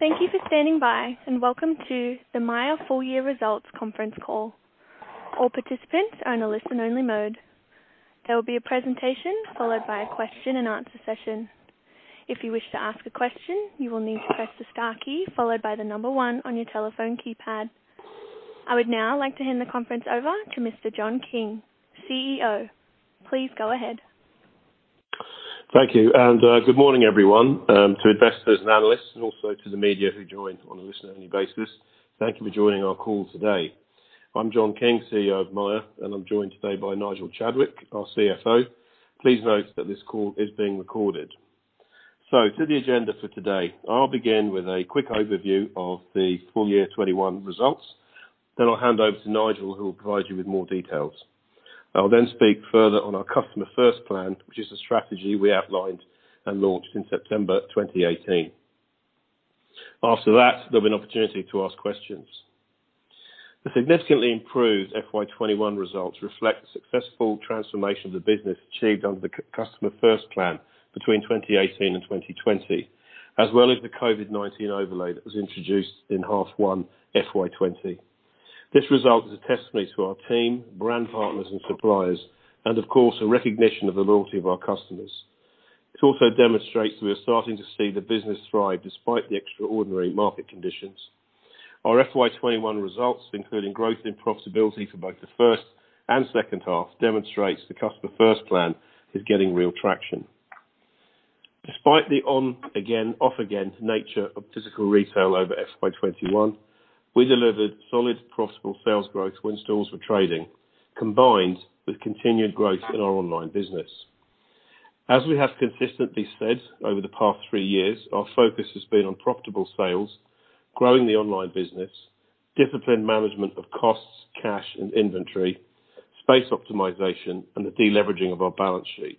Thank you for standing by, and welcome to the Myer's full-year results conference call. All participants are in a listen-only mode. There will be a presentation followed by a question and answer session. If you wish to ask a question, you will need to press the star key followed by the number one on your telephone keypad. I would now like to hand the conference over to Mr. John King, CEO. Please go ahead. Thank you. Good morning, everyone. To investors and analysts, and also to the media who joined on a listen-only basis, thank you for joining our call today. I'm John King, CEO of Myer, and I'm joined today by Nigel Chadwick, our CFO. Please note that this call is being recorded. To the agenda for today. I'll begin with a quick overview of the full year 2021 results, then I'll hand over to Nigel, who will provide you with more details. I will then speak further on our Customer First Plan, which is a strategy we outlined and launched in September 2018. After that, there'll be an opportunity to ask questions. The significantly improved FY 2021 results reflect the successful transformation of the business achieved under the Customer First Plan between 2018 and 2020, as well as the COVID-19 overlay that was introduced in half one FY 2020. This result is a testament to our team, brand partners, and suppliers, and of course, a recognition of the loyalty of our customers. It also demonstrates we are starting to see the business thrive despite the extraordinary market conditions. Our FY 2021 results, including growth in profitability for both the first and second half, demonstrates the Customer First Plan is getting real traction. Despite the on again, off again nature of physical retail over FY 2021, we delivered solid profitable sales growth when stores were trading, combined with continued growth in our online business. As we have consistently said over the past three years, our focus has been on profitable sales, growing the online business, disciplined management of costs, cash, and inventory, space optimization, and the deleveraging of our balance sheet.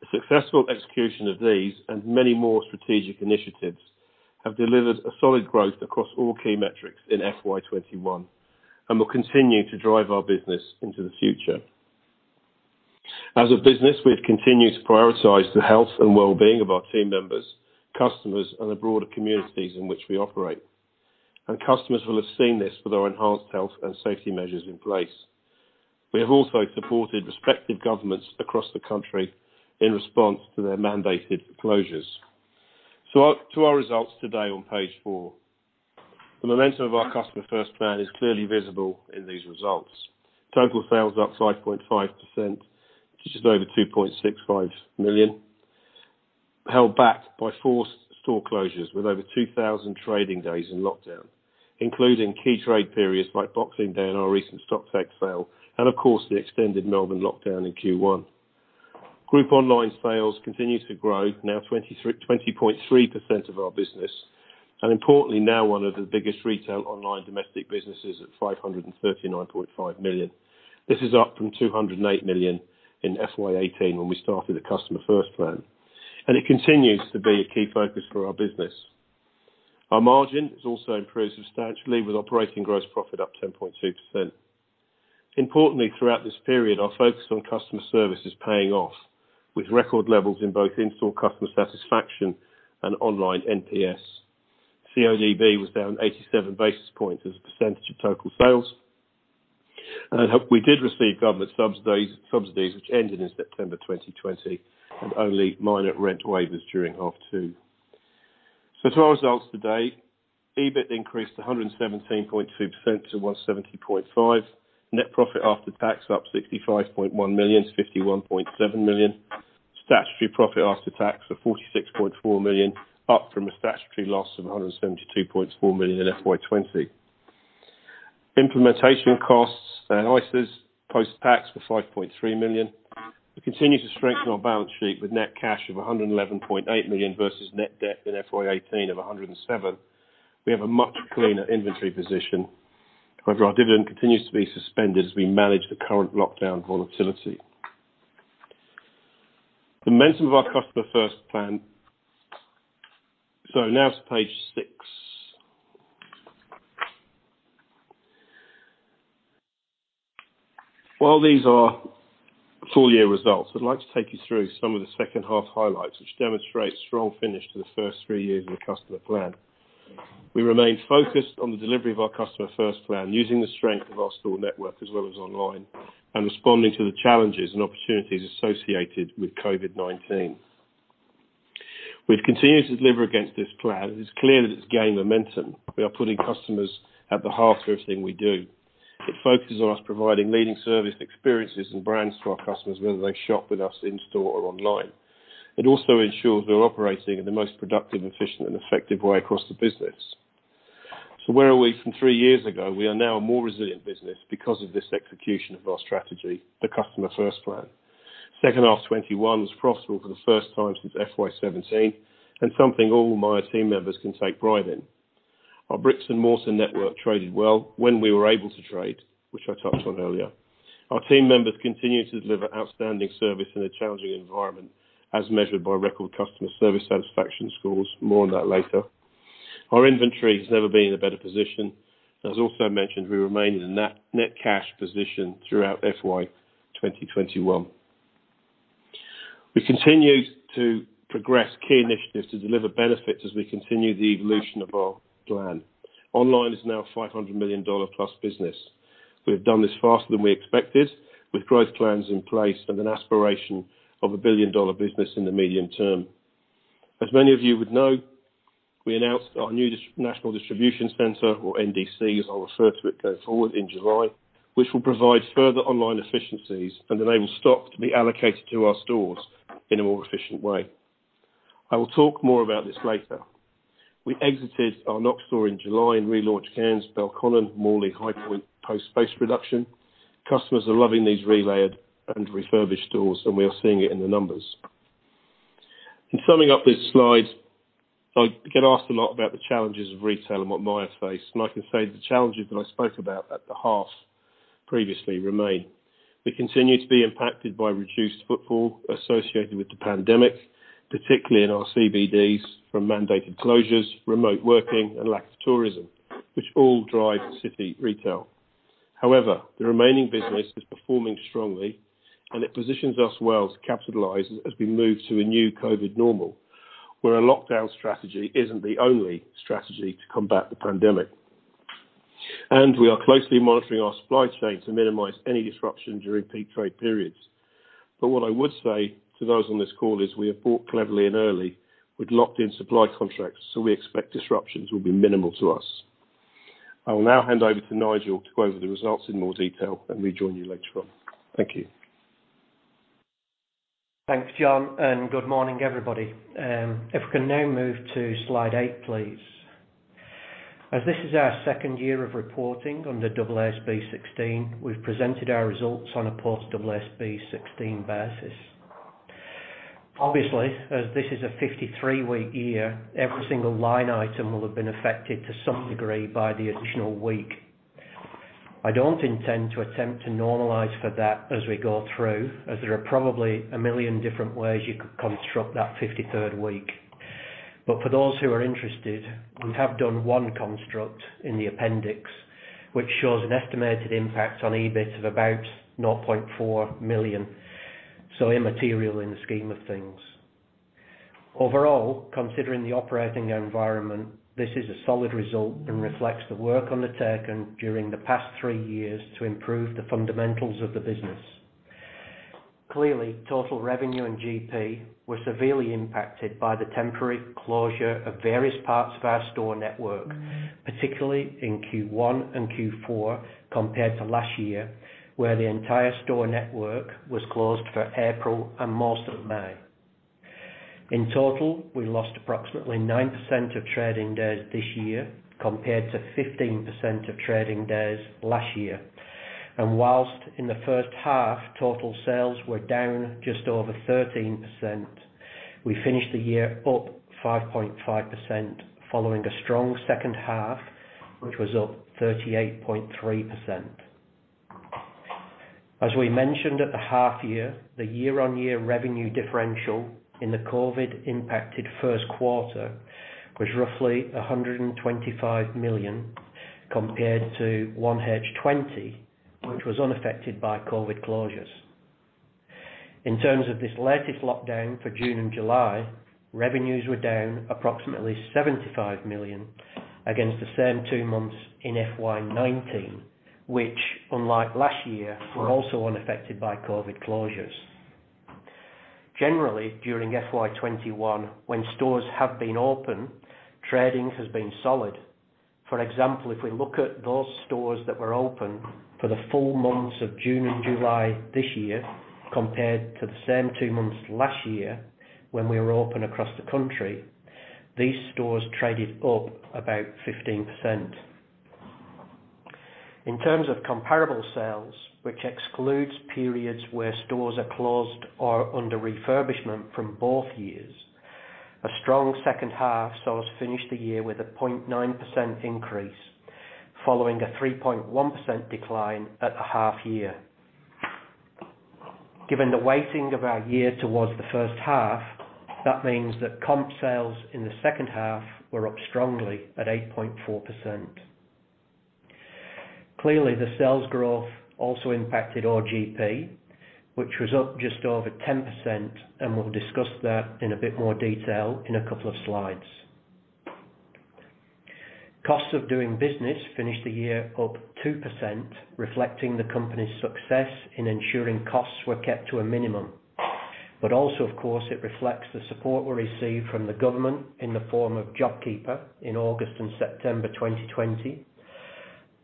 The successful execution of these and many more strategic initiatives have delivered a solid growth across all key metrics in FY 2021 and will continue to drive our business into the future. As a business, we have continued to prioritize the health and well-being of our team members, customers, and the broader communities in which we operate, and customers will have seen this with our enhanced health and safety measures in place. We have also supported respective governments across the country in response to their mandated closures. To our results today on page 4. The momentum of our Customer First Plan is clearly visible in these results. Total sales up 5.5%, which is over 2.65 billion, held back by forced store closures with over 2,000 trading days in lockdown, including key trade periods like Boxing Day and our recent Stocktake Sale, and of course, the extended Melbourne lockdown in Q1. Group online sales continues to grow, now 20.3% of our business, and importantly, now one of the biggest retail online domestic businesses at 539.5 million. This is up from 208 million in FY 2018 when we started the Customer First Plan, and it continues to be a key focus for our business. Our margin has also improved substantially, with operating gross profit up 10.2%. Importantly, throughout this period, our focus on customer service is paying off, with record levels in both in-store customer satisfaction and online NPS. CODB was down 87 basis points as a percentage of total sales. We did receive government subsidies which ended in September 2020 and only minor rent waivers during half two. To our results today. EBIT increased 117.2% to 170.5 million. Net profit after tax up 65.1 million to 51.7 million. Statutory profit after tax of 46.4 million, up from a statutory loss of 172.4 million in FY 2020. Implementation costs and ISIs post-tax were 5.3 million. We continue to strengthen our balance sheet with net cash of 111.8 million versus net debt in FY 2018 of 107 million. We have a much cleaner inventory position. Our dividend continues to be suspended as we manage the current lockdown volatility. The momentum of our Customer First Plan. Now to page six. While these are full-year results, I'd like to take you through some of the second-half highlights, which demonstrate strong finish to the first three years of the Customer First Plan. We remain focused on the delivery of our Customer First Plan using the strength of our store network as well as online, and responding to the challenges and opportunities associated with COVID-19. We've continued to deliver against this plan, and it's clear that it's gained momentum. We are putting customers at the heart of everything we do. It focuses on us providing leading service experiences and brands to our customers, whether they shop with us in store or online. It also ensures we're operating in the most productive, efficient, and effective way across the business. Where are we from three years ago? We are now a more resilient business because of this execution of our strategy, the Customer First Plan. Second half 2021 was profitable for the first time since FY 2017 and something all Myer team members can take pride in. Our bricks and mortar network traded well when we were able to trade, which I touched on earlier. Our team members continue to deliver outstanding service in a challenging environment, as measured by record customer service satisfaction scores. More on that later. Our inventory has never been in a better position. As also mentioned, we remained in a net cash position throughout FY 2021. We continue to progress key initiatives to deliver benefits as we continue the evolution of our plan. Online is now an 500 million dollar+ business. We've done this faster than we expected, with growth plans in place and an aspiration of a 1 billion dollar business in the medium term. As many of you would know, we announced our new National Distribution Center or NDC, as I'll refer to it going forward, in July, which will provide further online efficiencies, and enable stock to be allocated to our stores in a more efficient way. I will talk more about this later. We exited our Knox store in July and relaunched Cairns, Belconnen, Morley, Highpoint, post space reduction. Customers are loving these relaid and refurbished stores. We are seeing it in the numbers. In summing up this slide, I get asked a lot about the challenges of retail and what Myer face. I can say the challenges that I spoke about at the half previously remain. We continue to be impacted by reduced footfall associated with the pandemic, particularly in our CBDs, from mandated closures, remote working, and lack of tourism, which all drive city retail. However, the remaining business is performing strongly. It positions us well to capitalize as we move to a new COVID normal, where a lockdown strategy isn't the only strategy to combat the pandemic. We are closely monitoring our supply chain to minimize any disruption during peak trade periods. What I would say to those on this call is we have bought cleverly and early with locked-in supply contracts. We expect disruptions will be minimal to us. I will now hand over to Nigel to go over the results in more detail and rejoin you later on. Thank you. Thanks, John, and good morning, everybody. If we can now move to slide 8, please. As this is our second year of reporting under AASB 16, we've presented our results on a post AASB 16 basis. Obviously, as this is a 53-week year, every single line item will have been affected to some degree by the additional week. I don't intend to attempt to normalize for that as we go through, as there are probably 1 million different ways you could construct that 53rd week. For those who are interested, we have done one construct in the appendix, which shows an estimated impact on EBIT of about 0.4 million, so immaterial in the scheme of things. Overall, considering the operating environment, this is a solid result and reflects the work undertaken during the past three years to improve the fundamentals of the business. Clearly, total revenue and GP were severely impacted by the temporary closure of various parts of our store network, particularly in Q1 and Q4 compared to last year, where the entire store network was closed for April and most of May. In total, we lost approximately 9% of trading days this year compared to 15% of trading days last year. Whilst in the first half, total sales were down just over 13%, we finished the year up 5.5%, following a strong second half, which was up 38.3%. As we mentioned at the half year, the year-on-year revenue differential in the COVID impacted first quarter was roughly 125 million compared to 1H 2020, which was unaffected by COVID closures. In terms of this latest lockdown for June and July, revenues were down approximately 75 million against the same two months in FY 2019, which, unlike last year, were also unaffected by COVID closures. Generally, during FY 2021, when stores have been open, trading has been solid. For example, if we look at those stores that were open for the full months of June and July this year compared to the same two months last year when we were open across the country, these stores traded up about 15%. In terms of comparable sales, which excludes periods where stores are closed or under refurbishment from both years, a strong second half saw us finish the year with a 0.9% increase, following a 3.1% decline at the half year. Given the weighting of our year towards the first half, that means that comp sales in the second half were up strongly at 8.4%. Clearly, the sales growth also impacted our GP, which was up just over 10%, and we'll discuss that in a bit more detail in a couple of slides. Cost of doing business finished the year up 2% reflecting the company's success in ensuring costs were kept to a minimum. Also, of course, it reflects the support we received from the government in the form of JobKeeper in August and September 2020,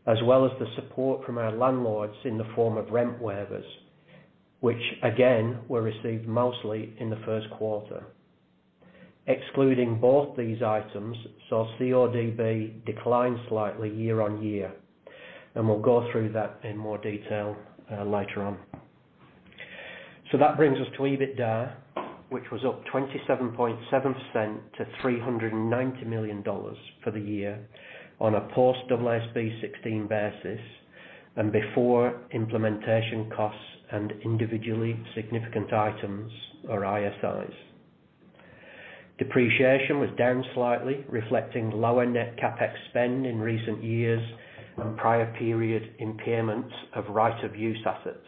as well as the support from our landlords in the form of rent waivers, which again, were received mostly in the first quarter. Excluding both these items, saw CODB decline slightly year-on-year, and we'll go through that in more detail later on. That brings us to EBITDA, which was up 27.7% to 390 million dollars for the year on a post AASB 16 basis and before implementation costs and individually significant items or ISIs. Depreciation was down slightly, reflecting lower net CapEx spend in recent years and prior period impairments of right of use assets.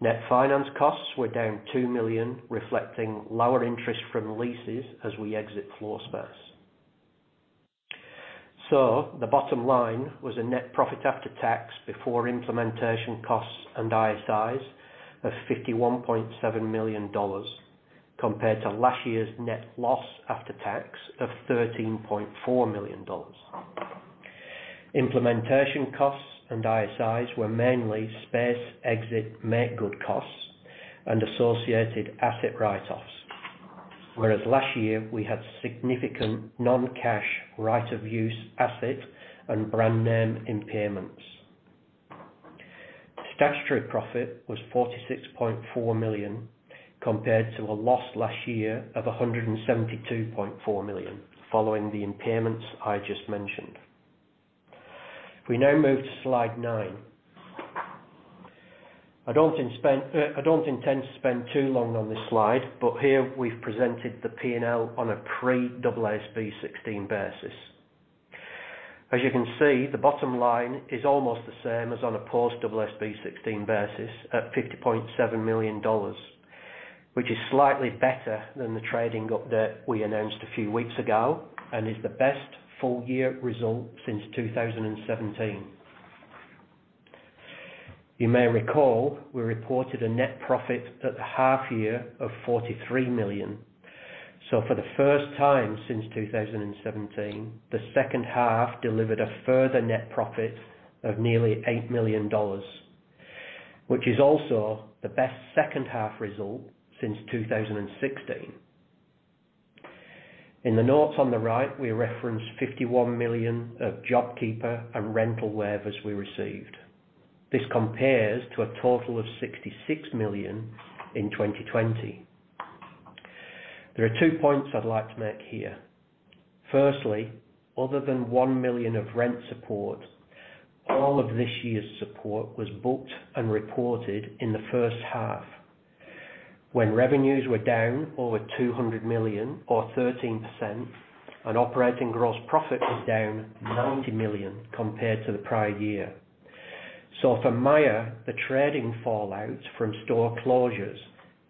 Net finance costs were down 2 million, reflecting lower interest from leases as we exit floor space. The bottom line was a net profit after tax before implementation costs and ISIs of 51.7 million dollars, compared to last year's net loss after tax of 13.4 million dollars. Implementation costs and ISIs were mainly space exit make good costs and associated asset write-offs. Whereas last year we had significant non-cash right of use assets and brand name impairments. Statutory profit was 46.4 million, compared to a loss last year of 172.4 million following the impairments I just mentioned. We now move to slide nine. I don't intend to spend too long on this slide, but here we've presented the P&L on a pre-AASB 16 basis. As you can see, the bottom line is almost the same as on a post AASB 16 basis at 50.7 million dollars, which is slightly better than the trading update we announced a few weeks ago, and is the best full year result since 2017. You may recall, we reported a net profit at the half year of 43 million. For the first time since 2017, the second half delivered a further net profit of nearly 8 million dollars, which is also the best second half result since 2016. In the notes on the right, we reference 51 million of JobKeeper and rental waivers we received. This compares to a total of 66 million in 2020. There are two points I'd like to make here. Firstly, other than 1 million of rent support, all of this year's support was booked and reported in the first half, when revenues were down over 200 million or 13%, and operating gross profit was down 90 million compared to the prior year. For Myer, the trading fallout from store closures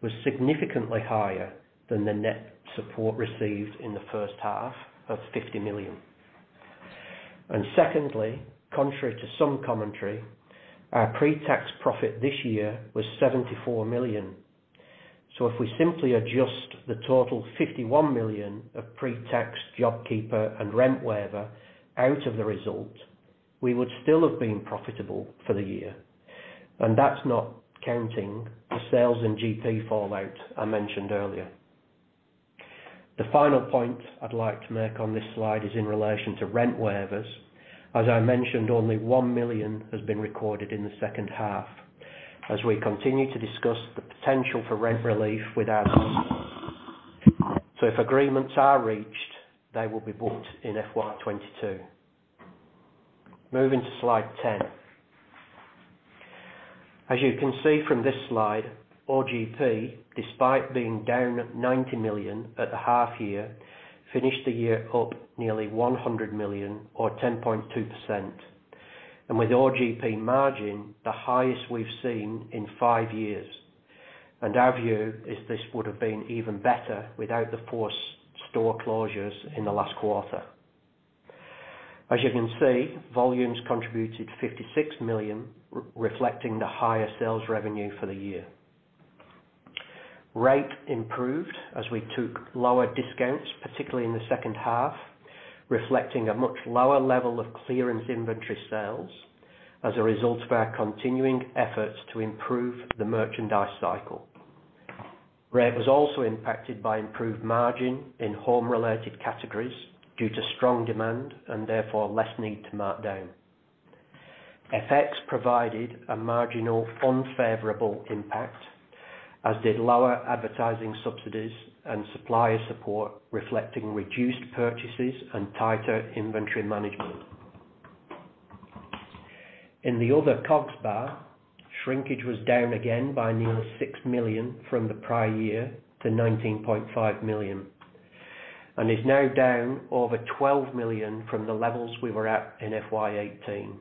was significantly higher than the net support received in the first half of 50 million. Secondly, contrary to some commentary, our pre-tax profit this year was 74 million. If we simply adjust the total 51 million of pre-tax JobKeeper and rent waiver out of the result, we would still have been profitable for the year. That's not counting the sales and GP fallout I mentioned earlier. The final point I'd like to make on this slide is in relation to rent waivers. As I mentioned, only 1 million has been recorded in the second half as we continue to discuss the potential for rent relief with our landlords. If agreements are reached, they will be booked in FY 2022. Moving to slide 10. As you can see from this slide, OGP, despite being down 90 million at the half year, finished the year up nearly 100 million or 10.2%, and with OGP margin the highest we've seen in five years. Our view is this would have been even better without the forced store closures in the last quarter. As you can see, volumes contributed 56 million reflecting the higher sales revenue for the year. Rate improved as we took lower discounts, particularly in the second half, reflecting a much lower level of clearance inventory sales as a result of our continuing efforts to improve the merchandise cycle. Rate was also impacted by improved margin in home-related categories due to strong demand and therefore less need to mark down. FX provided a marginal unfavorable impact, as did lower advertising subsidies and supplier support reflecting reduced purchases and tighter inventory management. In the other COGS bar, shrinkage was down again by nearly 6 million from the prior year to 19.5 million, and is now down over 12 million from the levels we were at in FY 2018.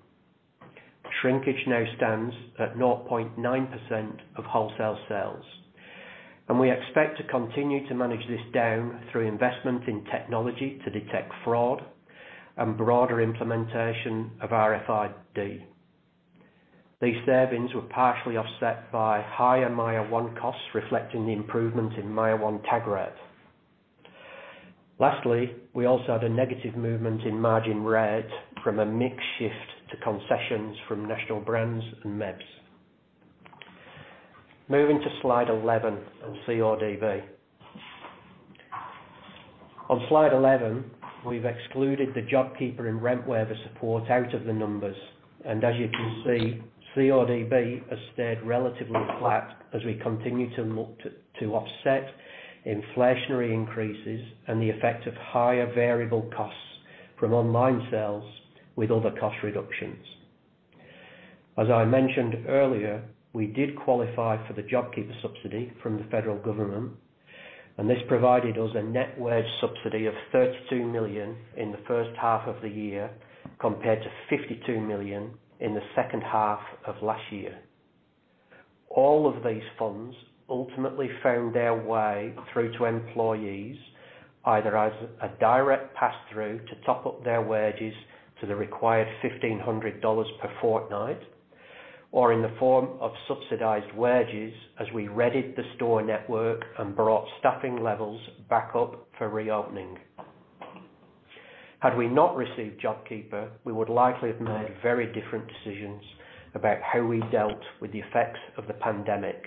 Shrinkage now stands at 0.9% of wholesale sales. We expect to continue to manage this down through investment in technology to detect fraud and broader implementation of RFID. These savings were partially offset by higher MYER one costs reflecting the improvement in MYER one tag rate. Lastly, we also had a negative movement in margin rates from a mix shift to concessions from national brands and MEBs. Moving to slide 11 on CODB. On slide 11, we've excluded the JobKeeper and rent waiver support out of the numbers. As you can see, CODB has stayed relatively flat as we continue to look to offset inflationary increases and the effect of higher variable costs from online sales with other cost reductions. As I mentioned earlier, we did qualify for the JobKeeper subsidy from the federal government. This provided us a net wage subsidy of 32 million in the first half of the year, compared to 52 million in the second half of last year. All of these funds ultimately found their way through to employees, either as a direct pass-through to top up their wages to the required 1,500 dollars per fortnight, or in the form of subsidized wages as we readied the store network and brought staffing levels back up for reopening. Had we not received JobKeeper, we would likely have made very different decisions about how we dealt with the effects of the pandemic.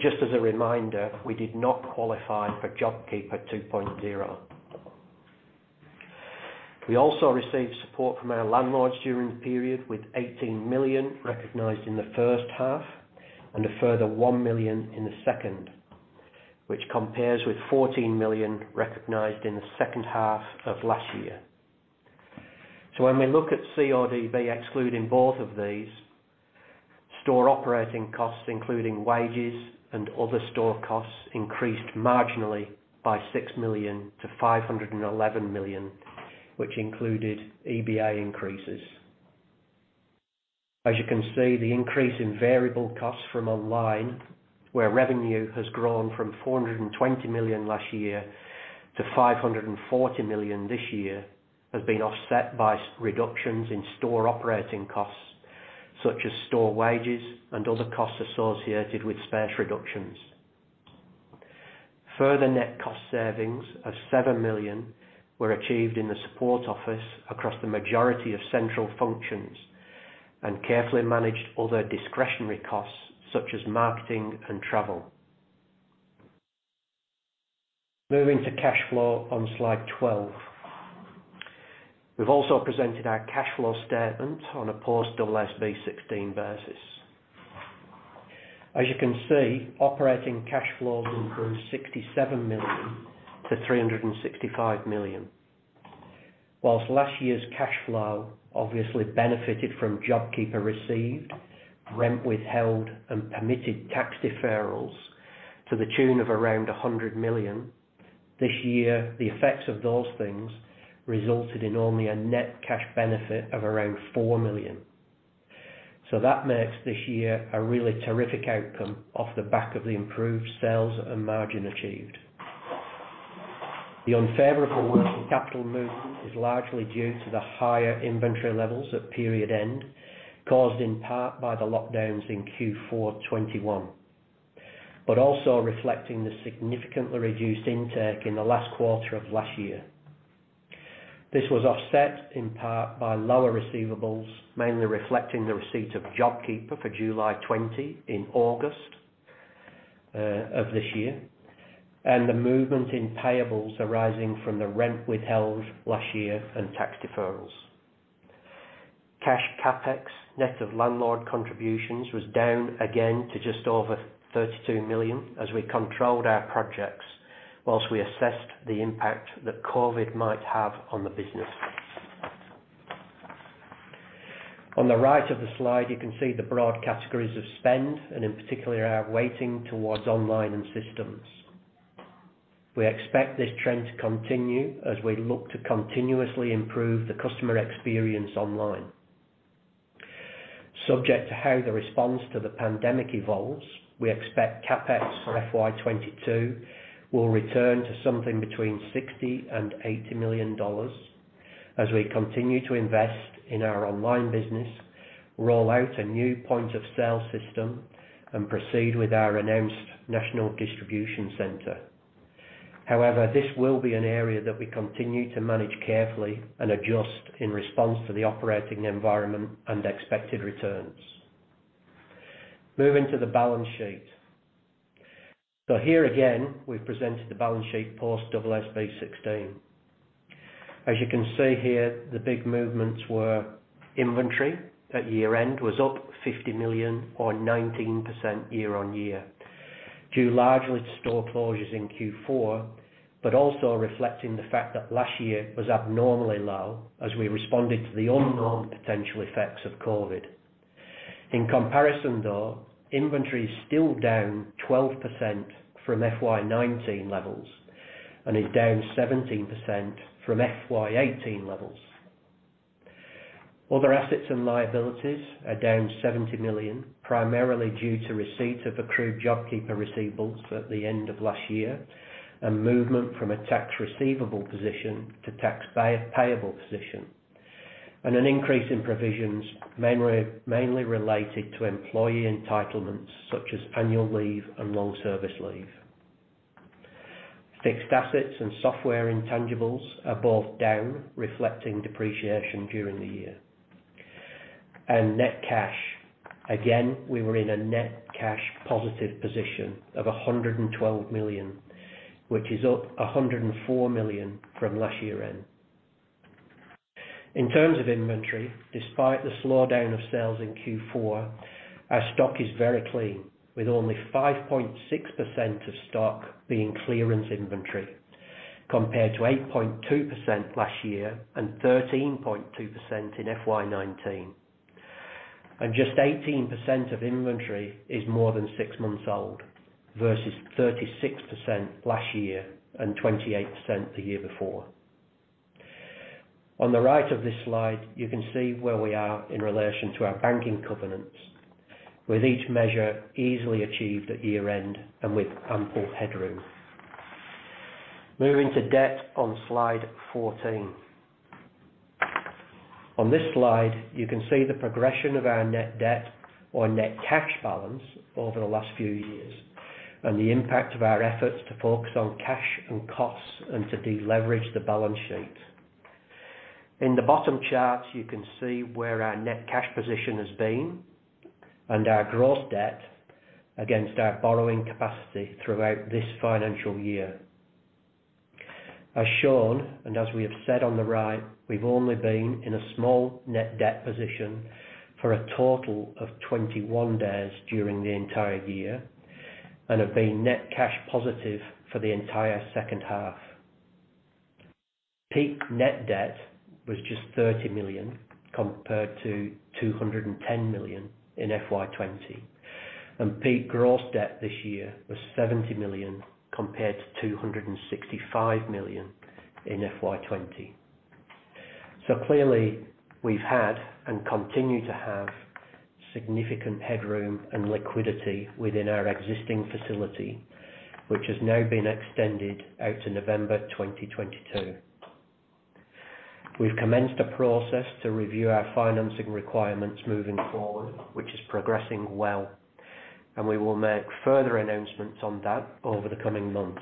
Just as a reminder, we did not qualify for JobKeeper 2.0. We also received support from our landlords during the period, with 18 million recognized in the first half and a further 1 million in the second, which compares with 14 million recognized in the second half of last year. When we look at CODB excluding both of these, store operating costs, including wages and other store costs, increased marginally by 6 million to 511 million, which included EBA increases. As you can see, the increase in variable costs from online, where revenue has grown from 420 million last year to 540 million this year, has been offset by reductions in store operating costs, such as store wages and other costs associated with space reductions. Further net cost savings of 7 million were achieved in the support office across the majority of central functions, and carefully managed other discretionary costs such as marketing and travel. Moving to cash flow on slide 12. We've also presented our cash flow statement on a post AASB 16 basis. As you can see, operating cash flows improved 67 million to 365 million. Whilst last year's cash flow obviously benefited from JobKeeper received, rent withheld, and permitted tax deferrals to the tune of around 100 million. This year, the effects of those things resulted in only a net cash benefit of around 4 million. That makes this year a really terrific outcome off the back of the improved sales and margin achieved. The unfavorable working capital movement is largely due to the higher inventory levels at period end, caused in part by the lockdowns in Q4 2021, also reflecting the significantly reduced intake in the last quarter of last year. This was offset in part by lower receivables, mainly reflecting the receipt of JobKeeper for July 20 in August of this year, and the movement in payables arising from the rent withheld last year and tax deferrals. Cash CapEx net of landlord contributions was down again to just over 32 million as we controlled our projects whilst we assessed the impact that COVID might have on the business. On the right of the slide, you can see the broad categories of spend. In particular, our weighting towards online and systems. We expect this trend to continue as we look to continuously improve the customer experience online. Subject to how the response to the pandemic evolves, we expect CapEx for FY 2022 will return to something between 60 million and 80 million dollars as we continue to invest in our online business, roll out a new point-of-sale system, and proceed with our announced national distribution center. However, this will be an area that we continue to manage carefully and adjust in response to the operating environment and expected returns. Moving to the balance sheet. Here again, we've presented the balance sheet post AASB 16. As you can see here, the big movements were inventory, at year-end was up 50 million or 19% year-on-year due largely to store closures in Q4, but also reflecting the fact that last year was abnormally low as we responded to the unknown potential effects of COVID. In comparison, though, inventory is still down 12% from FY 2019 levels and is down 17% from FY 2018 levels. Other assets and liabilities are down 70 million, primarily due to receipt of accrued JobKeeper receivables at the end of last year and movement from a tax-receivable position to tax-payable position, and an increase in provisions mainly related to employee entitlements such as annual leave and long service leave. Fixed assets and software intangibles are both down, reflecting depreciation during the year. Net cash, again, we were in a net cash positive position of 112 million, which is up 104 million from last year-end. In terms of inventory, despite the slowdown of sales in Q4, our stock is very clean, with only 5.6% of stock being clearance inventory, compared to 8.2% last year and 13.2% in FY 2019. Just 18% of inventory is more than six months old versus 36% last year and 28% the year before. On the right of this slide, you can see where we are in relation to our banking covenants with each measure easily achieved at year-end and with ample headroom. Moving to debt on slide 14. On this slide, you can see the progression of our net debt or net cash balance over the last few years and the impact of our efforts to focus on cash and costs and to deleverage the balance sheet. In the bottom charts, you can see where our net cash position has been and our gross debt against our borrowing capacity throughout this financial year. As shown, and as we have said on the right, we've only been in a small net debt position for a total of 21 days during the entire year, and have been net cash positive for the entire second half. Peak net debt was just 30 million compared to 210 million in FY 2020, and peak gross debt this year was 70 million compared to 265 million in FY 2020. Clearly, we've had and continue to have significant headroom and liquidity within our existing facility, which has now been extended out to November 2022. We've commenced a process to review our financing requirements moving forward, which is progressing well, and we will make further announcements on that over the coming months.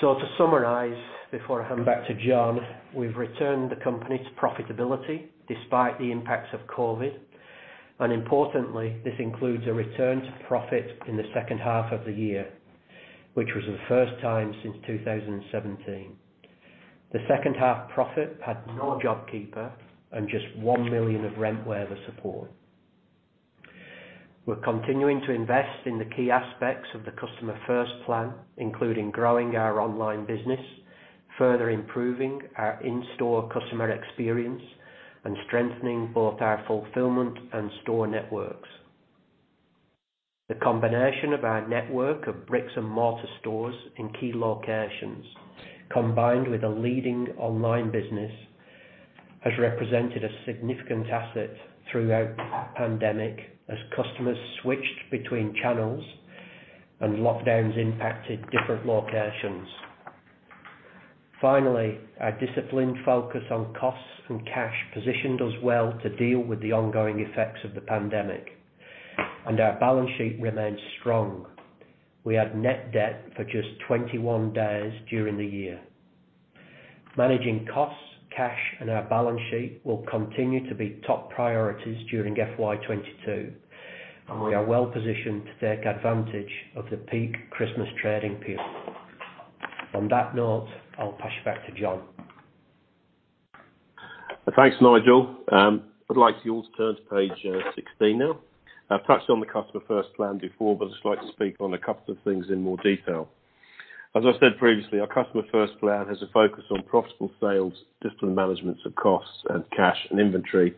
To summarize, before I hand back to John, we've returned the company to profitability despite the impacts of COVID-19, importantly, this includes a return to profit in the second half of the year, which was the first time since 2017. The second half profit had no JobKeeper and just 1 million of rent waiver support. We're continuing to invest in the key aspects of the Customer First Plan, including growing our online business, further improving our in-store customer experience, and strengthening both our fulfillment and store networks. The combination of our network of bricks and mortar stores in key locations, combined with a leading online business, has represented a significant asset throughout the pandemic as customers switched between channels and lockdowns impacted different locations. Finally, our disciplined focus on costs and cash positioned us well to deal with the ongoing effects of the pandemic, and our balance sheet remains strong. We had net debt for just 21 days during the year. Managing costs, cash, and our balance sheet will continue to be top priorities during FY 2022, and we are well positioned to take advantage of the peak Christmas trading period. On that note, I'll pass you back to John. Thanks, Nigel. I'd like you all to turn to page 16 now. I've touched on the Customer First Plan before, but I'd just like to speak on a couple of things in more detail. As I said previously, our Customer First Plan has a focus on profitable sales, disciplined management of costs and cash and inventory,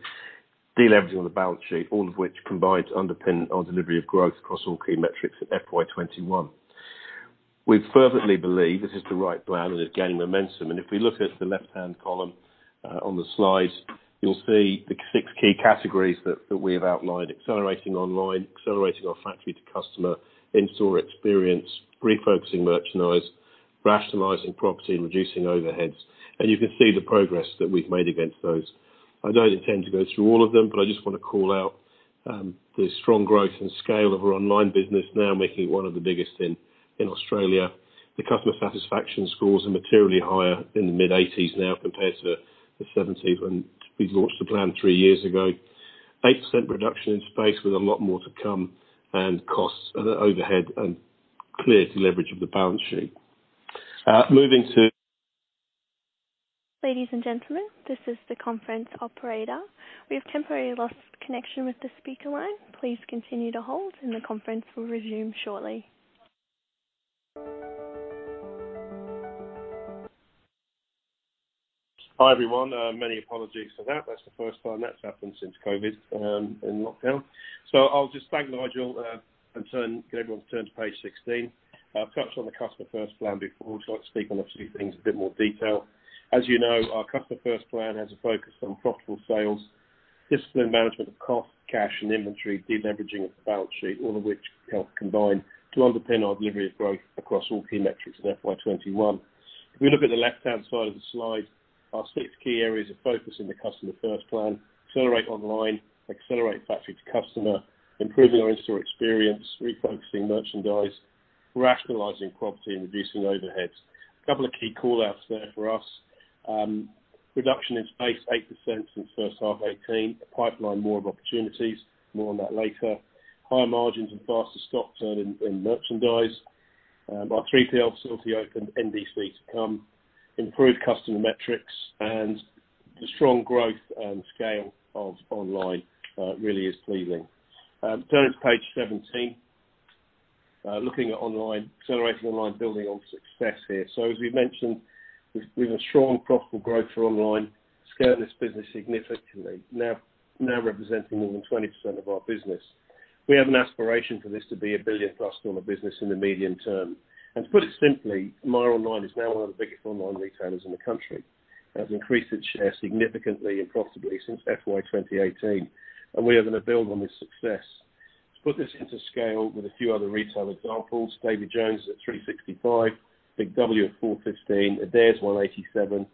deleveraging the balance sheet, all of which combined underpin our delivery of growth across all key metrics at FY 2021. We fervently believe this is the right plan and is gaining momentum. If we look at the left-hand column on the slide, you'll see the six key categories that we have outlined, accelerating online, accelerating our factory to customer, in-store experience, refocusing merchandise, rationalizing property, and reducing overheads. You can see the progress that we've made against those. I don't intend to go through all of them, but I just want to call out the strong growth and scale of our online business now making it one of the biggest in Australia. The customer satisfaction scores are materially higher in the mid-80% now compared to the 70% when we launched the Customer First Plan three years ago. 8% reduction in space with a lot more to come and costs, overhead, and clear deleverage of the balance sheet. Ladies and gentlemen, this is the conference operator. We have temporarily lost connection with the speaker line. Please continue to hold and the conference will resume shortly. Hi, everyone. Many apologies for that. That's the first time that's happened since COVID-19 in lockdown. I'll just thank Nigel and get everyone to turn to page 16. I've touched on the Customer First Plan before. I'd like to speak on a few things in a bit more detail. As you know, our Customer First Plan has a focus on profitable sales, disciplined management of cost, cash, and inventory, deleveraging of the balance sheet, all of which help combine to underpin our delivery of growth across all key metrics in FY 2021. If we look at the left-hand side of the slide, our six key areas of focus in the Customer First Plan: accelerate online, accelerate factory to customer, improving our in-store experience, refocusing merchandise, rationalizing property, and reducing overheads. A couple of key callouts there for us. Reduction in space, 8% since first half 2018. A pipeline more of opportunities. More on that later. Higher margins and faster stock turn in merchandise. Our 3PLs, site re-open, NDC to come. Improved customer metrics and the strong growth and scale of online really is pleasing. Turning to page 17, looking at online, accelerating online, building on success here. As we've mentioned, we have a strong profitable growth for online, scaling this business significantly, now representing more than 20% of our business. We have an aspiration for this to be a 1 billion dollar+ business in the medium term. To put it simply, Myer Online is now one of the biggest online retailers in the country. It has increased its share significantly and profitably since FY 2018, and we are going to build on this success. To put this into scale with a few other retail examples, David Jones is at 365 million, Big W at 415 million, Adairs 187 million,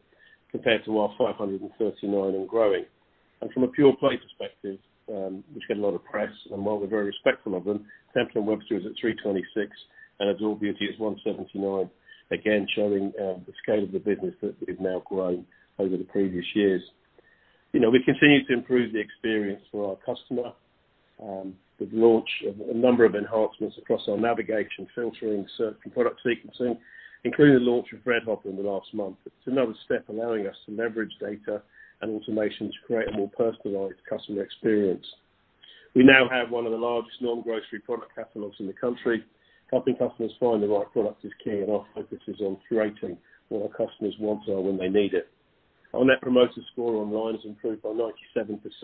compared to our 539 million and growing. From a pure play perspective, which get a lot of press, and while we're very respectful of them, Temple & Webster is at 326 million, Adore Beauty is 179 million, again, showing the scale of the business that we've now grown over the previous years. We continue to improve the experience for our customer. We've launched a number of enhancements across our navigation, filtering, searching, product sequencing, including the launch of Red Dot in the last month. It's another step allowing us to leverage data and automation to create a more personalized customer experience. We now have one of the largest non-grocery product catalogs in the country. Helping customers find the right product is key, and our focus is on curating what our customers want or when they need it. Our Net Promoter Score online has improved by 97%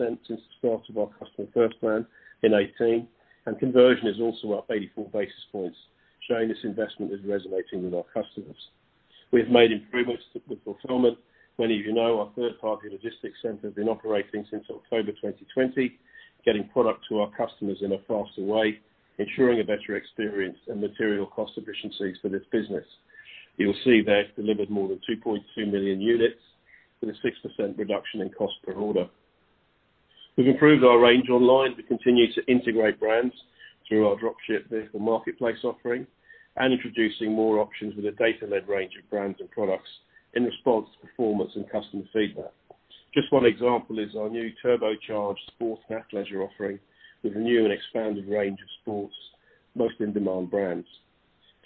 since the start of our Customer First Plan in 2018, and conversion is also up 84 basis points, showing this investment is resonating with our customers. We have made improvements with fulfillment. Many of you know our third-party logistics center has been operating since October 2020, getting product to our customers in a faster way, ensuring a better experience and material cost efficiencies for this business. You'll see that it's delivered more than 2.2 million units with a 6% reduction in cost per order. We've improved our range online. We continue to integrate brands through our drop ship with the marketplace offering and introducing more options with a data-led range of brands and products in response to performance and customer feedback. Just one example is our new turbocharged sports and athleisure offering with a new and expanded range of sports, most in-demand brands.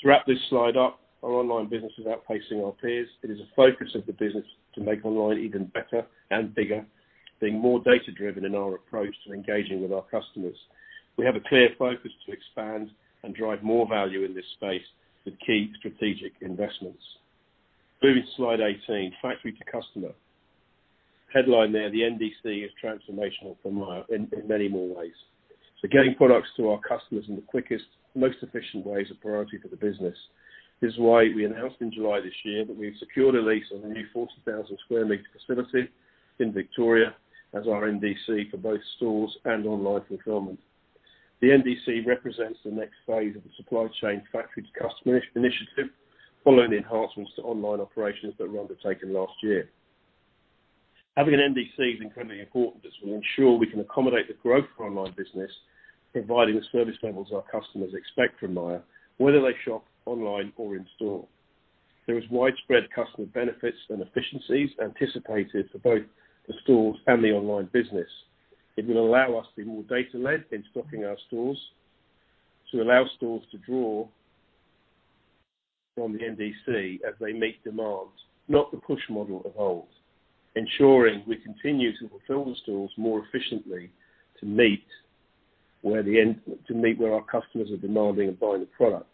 Throughout this slide up, our online business is outpacing our peers. It is a focus of the business to make online even better and bigger, being more data-driven in our approach to engaging with our customers. We have a clear focus to expand and drive more value in this space with key strategic investments. Moving to slide 18, factory to customer. Headline there, the NDC is transformational for Myer in many more ways. Getting products to our customers in the quickest, most efficient way is a priority for the business. This is why we announced in July this year that we've secured a lease on a new 40,000 sqm facility in Victoria as our NDC for both stores and online fulfillment. The NDC represents the next phase of the supply chain factory to customer initiative following the enhancements to online operations that were undertaken last year. Having an NDC is incredibly important as will ensure we can accommodate the growth of online business, providing the service levels our customers expect from Myer, whether they shop online or in store. There is widespread customer benefits and efficiencies anticipated for both the stores and the online business. It will allow us to be more data-led in stocking our stores, to allow stores to draw from the NDC as they meet demands, not the push model it holds, ensuring we continue to fulfill the stores more efficiently to meet where our customers are demanding and buying the products.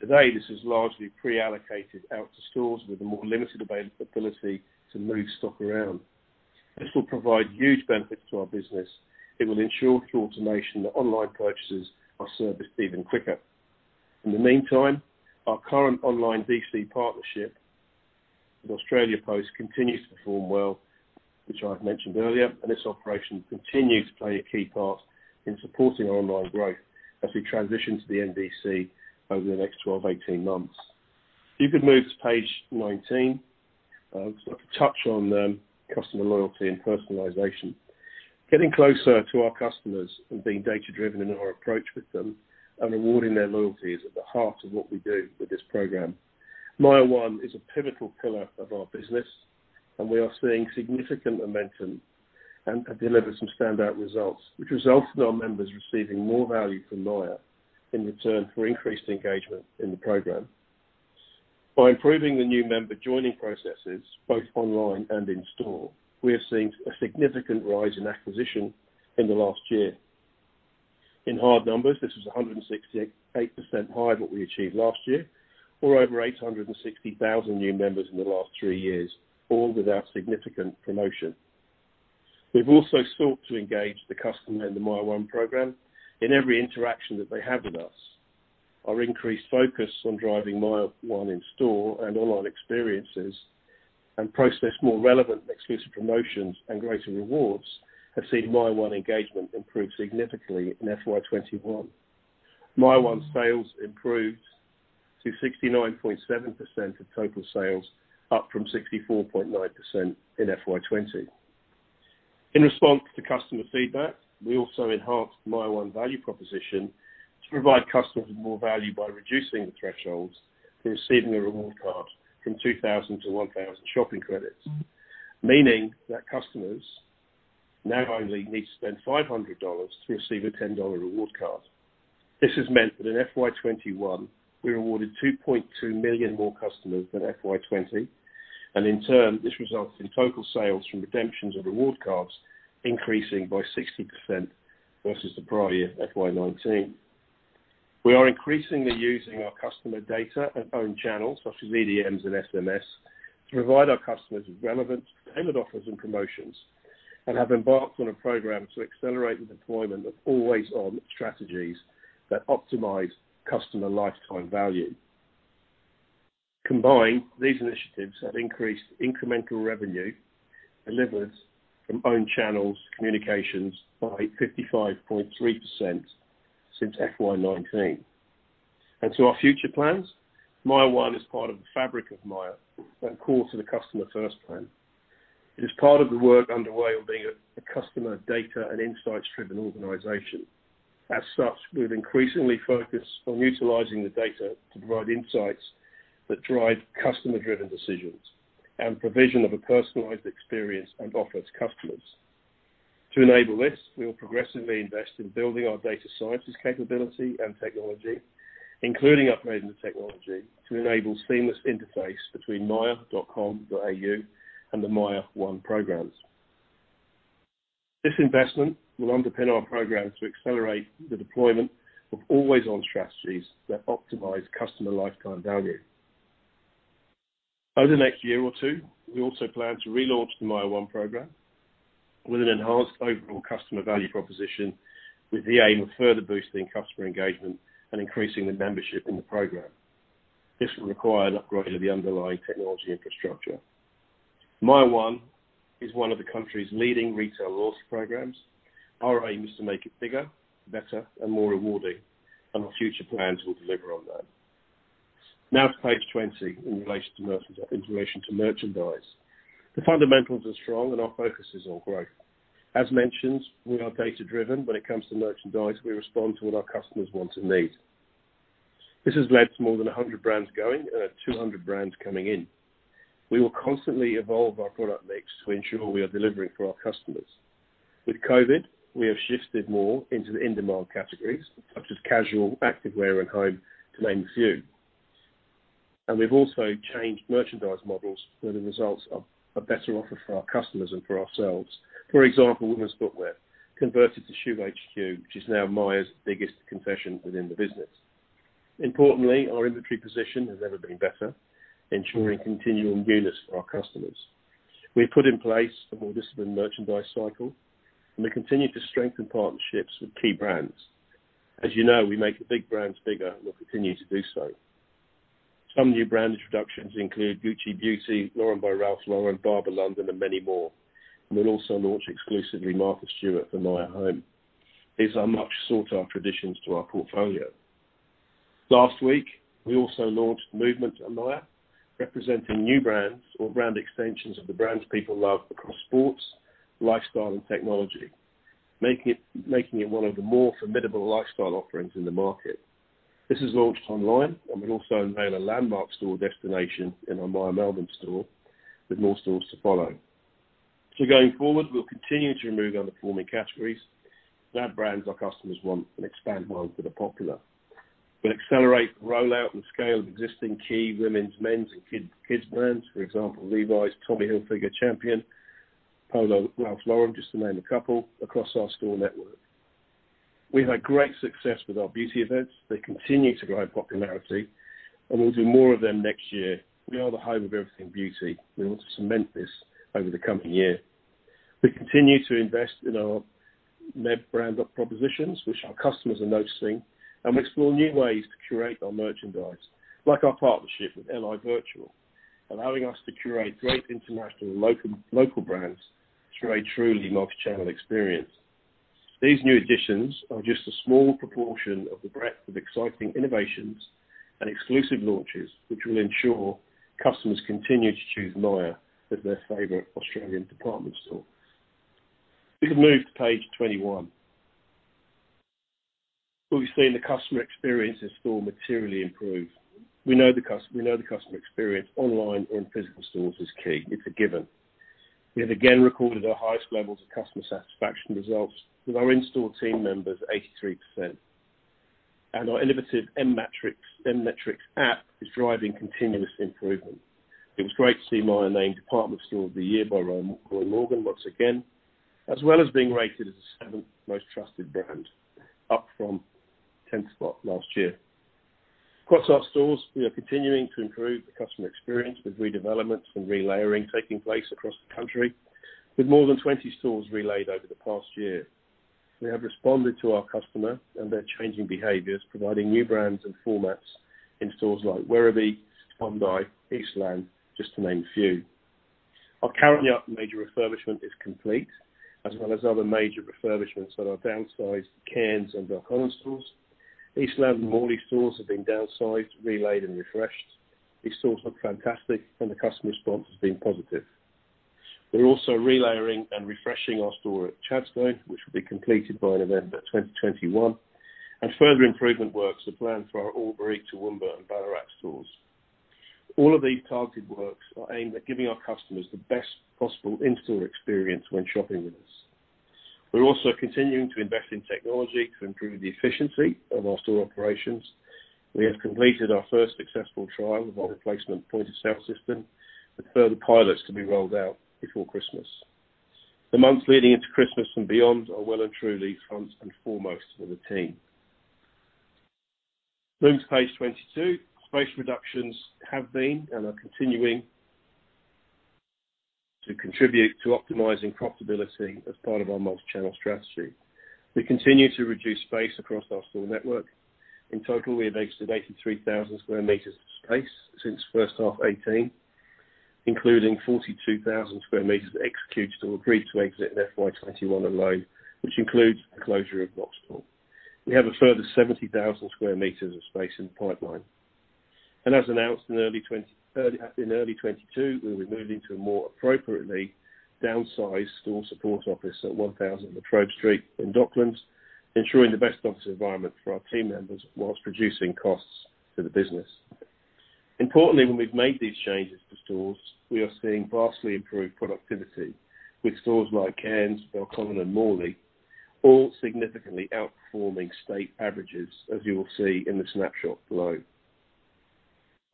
Today, this is largely pre-allocated out to stores with a more limited ability to move stock around. This will provide huge benefits to our business. It will ensure through automation that online purchases are serviced even quicker. In the meantime, our current online DC partnership with Australia Post continues to perform well, which I've mentioned earlier, and this operation continues to play a key part in supporting our online growth as we transition to the NDC over the next 12-18 months. If you could move to page 19, I'd like to touch on customer loyalty and personalization. Getting closer to our customers and being data-driven in our approach with them and rewarding their loyalty is at the heart of what we do with this program. MYER one is a pivotal pillar of our business, and we are seeing significant momentum and have delivered some standout results, which results in our members receiving more value from Myer in return for increased engagement in the program. By improving the new member joining processes, both online and in store, we are seeing a significant rise in acquisition in the last year. In hard numbers, this is 168% higher than what we achieved last year or over 860,000 new members in the last three years, all without significant promotion. We've also sought to engage the customer in the MYER one program in every interaction that they have with us. Our increased focus on driving MYER one in-store and online experiences and process more relevant and exclusive promotions and greater rewards have seen MYER one engagement improve significantly in FY 2021. MYER one sales improved to 69.7% of total sales, up from 64.9% in FY 2020. In response to customer feedback, we also enhanced MYER one value proposition to provide customers with more value by reducing the thresholds for receiving a reward card from 2,000 to 1,000 shopping credits, meaning that customers now only need to spend 500 dollars to receive a 10 dollar reward card. This has meant that in FY 2021, we awarded 2.2 million more customers than FY 2020, and in turn, this resulted in total sales from redemptions of reward cards increasing by 60% versus the prior year, FY 2019. We are increasingly using our customer data and owned channels, such as EDMs and SMS, to provide our customers with relevant tailored offers and promotions, and have embarked on a program to accelerate the deployment of always-on strategies that optimize customer lifetime value. Combined, these initiatives have increased incremental revenue delivered from owned channels, communications by 55.3% since FY 2019. To our future plans, MYER one is part of the fabric of Myer and core to the Customer First Plan. It is part of the work underway on being a customer data and insights-driven organization. As such, we've increasingly focused on utilizing the data to provide insights that drive customer-driven decisions and provision of a personalized experience and offer to customers. To enable this, we will progressively invest in building our data sciences capability and technology, including upgrading the technology to enable seamless interface between myer.com.au and the MYER one programs. This investment will underpin our programs to accelerate the deployment of always-on strategies that optimize customer lifetime value. Over the next year or two, we also plan to relaunch the MYER one program with an enhanced overall customer value proposition, with the aim of further boosting customer engagement and increasing the membership in the program. This will require an upgrade of the underlying technology infrastructure. MYER one is one of the country's leading retail loyalty programs. Our aim is to make it bigger, better and more rewarding, and our future plans will deliver on that. To page 20 in relation to merchandise. The fundamentals are strong, and our focus is on growth. As mentioned, we are data-driven when it comes to merchandise, we respond to what our customers want and need. This has led to more than 100 brands going and 200 brands coming in. We will constantly evolve our product mix to ensure we are delivering for our customers. With COVID, we have shifted more into the in-demand categories such as casual, active wear, and home to name a few. We've also changed merchandise models where the results are a better offer for our customers and for ourselves. For example, women's footwear converted to Shoe HQ, which is now Myer's biggest concession within the business. Importantly, our inventory position has never been better, ensuring continuing newness for our customers. We've put in place a more disciplined merchandise cycle, and we continue to strengthen partnerships with key brands. As you know, we make the big brands bigger and will continue to do so. Some new brand introductions include Gucci Beauty, Lauren by Ralph Lauren, Barbour London and many more. We'll also launch exclusively Martha Stewart for Myer Home. These are much sought-after additions to our portfolio. Last week, we also launched Movement at Myer, representing new brands or brand extensions of the brands people love across sports, lifestyle, and technology, making it one of the more formidable lifestyle offerings in the market. This is launched online and will also unveil a landmark store destination in our Myer Melbourne store, with more stores to follow. Going forward, we'll continue to remove underperforming categories, add brands our customers want, and expand ones that are popular, but accelerate the rollout and scale of existing key women's, men's, and kids brands. For example, Levi's, Tommy Hilfiger, Champion, Polo Ralph Lauren, just to name a couple, across our store network. We've had great success with our beauty events. They continue to grow in popularity. We'll do more of them next year. We are the home of everything beauty. We want to cement this over the coming year. We continue to invest in our brand up propositions, which our customers are noticing, and we explore new ways to curate our merchandise, like our partnership with L.I Virtual, allowing us to curate great international and local brands through a truly multi-channel experience. These new additions are just a small proportion of the breadth of exciting innovations and exclusive launches, which will ensure customers continue to choose Myer as their favorite Australian department store. We can move to page 21. We've seen the customer experience in store materially improve. We know the customer experience online and physical stores is key. It's a given. We have again recorded our highest levels of customer satisfaction results with our in-store team members, 83%. Our innovative M-Metrics app is driving continuous improvement. It was great to see Myer named Department Store of the Year by Roy Morgan once again, as well as being rated as the seventh most trusted brand, up from 10th spot last year. Across our stores, we are continuing to improve the customer experience with redevelopments and relayering taking place across the country. With more than 20 stores relayed over the past year. We have responded to our customer and their changing behaviors, providing new brands and formats in stores like Werribee, Bondi, Eastland, just to name a few. Our Karrinyup major refurbishment is complete, as well as other major refurbishments that are downsized Cairns and Belconnen stores. Eastland and Morley stores have been downsized, relayed and refreshed. These stores look fantastic, and the customer response has been positive. We're also relayering and refreshing our store at Chadstone, which will be completed by November 2021, and further improvement works are planned for our Albury, Toowoomba, and Ballarat stores. All of these targeted works are aimed at giving our customers the best possible in-store experience when shopping with us. We're also continuing to invest in technology to improve the efficiency of our store operations. We have completed our first successful trial of our replacement point-of-sale system, with further pilots to be rolled out before Christmas. The months leading into Christmas and beyond are well and truly front and foremost for the team. Moving to page 22. Space reductions have been and are continuing to contribute to optimizing profitability as part of our multi-channel strategy. We continue to reduce space across our store network. In total, we have exited 83,000 sqm of space since first half 2018, including 42,000 sqm executed or agreed to exit in FY 2021 alone, which includes the closure of Knox. We have a further 70,000 sqm of space in the pipeline. As announced in early 2022, we'll be moving to a more appropriately downsized store support office at 1,000 La Trobe Street in Docklands, ensuring the best office environment for our team members whilst reducing costs for the business. Importantly, when we've made these changes to stores, we are seeing vastly improved productivity with stores like Cairns, Belconnen and Morley all significantly outperforming state averages, as you will see in the snapshot below.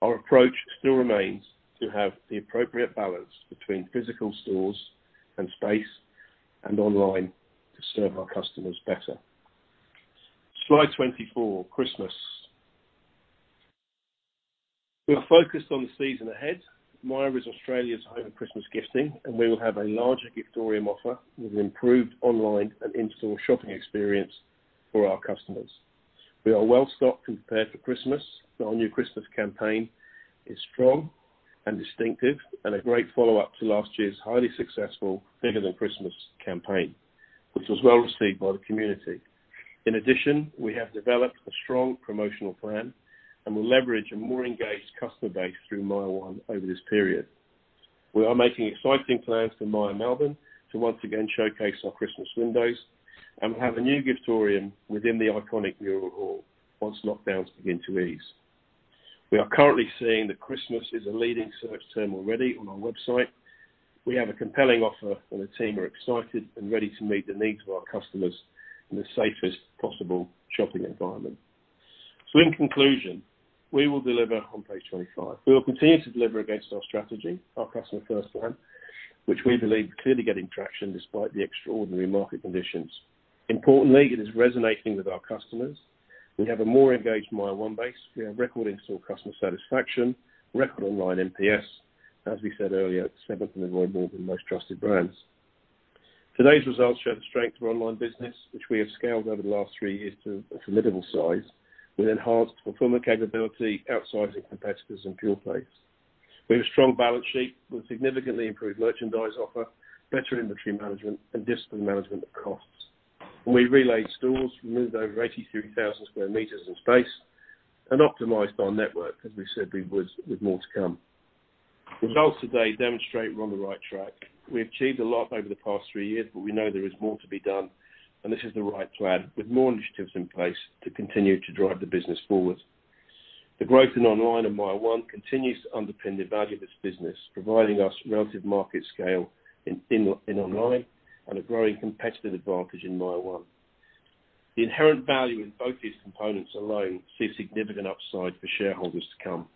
Our approach still remains to have the appropriate balance between physical stores and space, and online to serve our customers better. Slide 24, Christmas. We are focused on the season ahead. Myer is Australia's home of Christmas gifting. We will have a larger Giftorium offer with an improved online and in-store shopping experience for our customers. We are well stocked and prepared for Christmas. Our new Christmas campaign is strong and distinctive. A great follow-up to last year's highly successful Bigger than Christmas campaign, which was well received by the community. In addition, we have developed a strong promotional plan and will leverage a more engaged customer base through MYER one over this period. We are making exciting plans for Myer Melbourne to once again showcase our Christmas windows and have a new Giftorium within the iconic Mural Hall once lockdowns begin to ease. We are currently seeing that Christmas is a leading search term already on our website. We have a compelling offer, and the team are excited and ready to meet the needs of our customers in the safest possible shopping environment. In conclusion, we will deliver on page 25. We will continue to deliver against our strategy, our Customer First Plan, which we believe is clearly getting traction despite the extraordinary market conditions. Importantly, it is resonating with our customers. We have a more engaged MYER one base. We have record in-store customer satisfaction, record online NPS. As we said earlier, seventh in the Roy Morgan Most Trusted Brands. Today's results show the strength of our online business, which we have scaled over the last three years to a formidable size, with enhanced fulfillment capability, outsizing competitors in pure play. We have a strong balance sheet with significantly improved merchandise offer, better inventory management and disciplined management of costs. When we relayed stores, we moved over 83,000 sqm in space and optimized our network, as we said we would, with more to come. Results today demonstrate we're on the right track. We've achieved a lot over the past three years, but we know there is more to be done, and this is the right plan with more initiatives in place to continue to drive the business forward. The growth in online and MYER one continues to underpin the value of this business, providing us relative market scale in online and a growing competitive advantage in MYER one. The inherent value in both these components alone see significant upside for shareholders to come.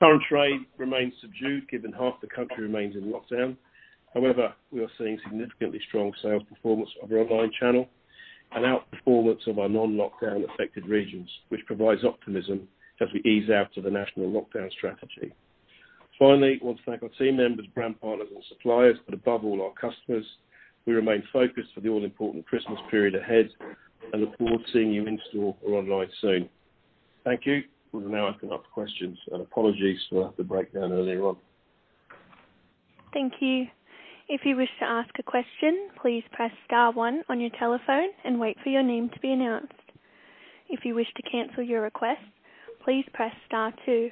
Current trade remains subdued, given half the country remains in lockdown. However, we are seeing significantly strong sales performance of our online channel and outperformance of our non-lockdown affected regions, which provides optimism as we ease out of the national lockdown strategy. Finally, I want to thank our team members, brand partners and suppliers, but above all, our customers. We remain focused for the all-important Christmas period ahead and look forward to seeing you in store or online soon. Thank you. We will now open up for questions. Apologies for the breakdown earlier on. Thank you. If you wish to ask a question, please press star one on your telephone and wait for your name to be announced. If you wish to cancel your request, please press star two.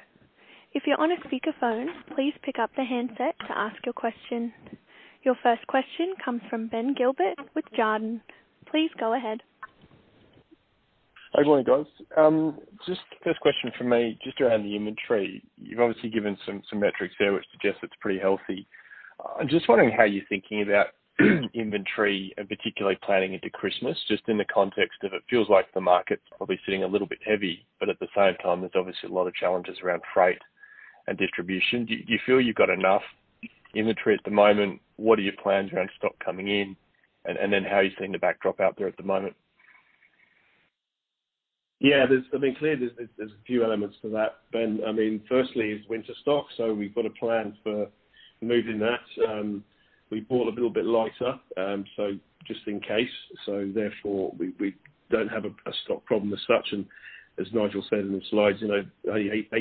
If you're on a speakerphone, please pick up the handset to ask your question. Your first question comes from Ben Gilbert with Jarden. Please go ahead. Good morning, guys. Just first question from me, just around the inventory. You've obviously given some metrics there which suggest it's pretty healthy. I'm just wondering how you're thinking about inventory and particularly planning into Christmas, just in the context of it feels like the market's probably sitting a little bit heavy, but at the same time, there's obviously a lot of challenges around freight and distribution. Do you feel you've got enough inventory at the moment? What are your plans around stock coming in? How are you seeing the backdrop out there at the moment? I mean, clearly, there's a few elements to that, Ben. I mean, firstly, it's winter stock, so we've got a plan for moving that. We bought a little bit lighter, so just in case, so therefore, we don't have a stock problem as such. As Nigel said in the slides, 18%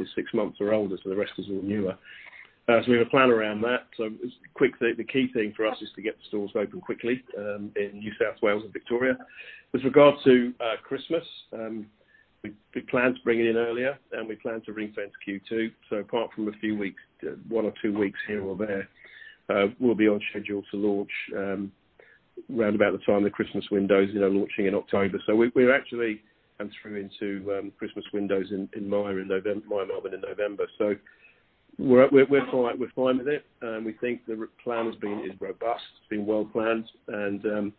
is six months or older, so the rest is all newer. We have a plan around that. Quickly, the key thing for us is to get the stores open quickly in New South Wales and Victoria. With regard to Christmas, we plan to bring it in earlier and we plan to ring-fence Q2. Apart from a few weeks, one or two weeks here or there, we'll be on schedule to launch around about the time the Christmas window is launching in October. We're actually coming through into Christmas windows in Myer Melbourne in November. We're fine with it. We think the plan is robust. It's been well-planned, and